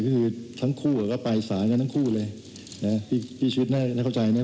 ก็คือทั้งคู่อะก็ปลายสารกันทั้งคู่เลยนะฮะพี่พี่ชีวิตน่าน่าเข้าใจเนี่ย